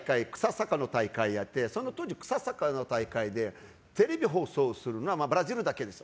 サッカーの大会があってその当時、草サッカーの大会でテレビ放送するのはブラジルだけです。